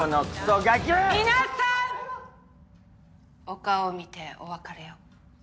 お顔を見てお別れを。